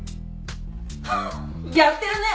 ハッやってるね！